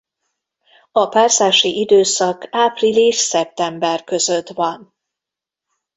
A párzási időszak április–szeptember között van.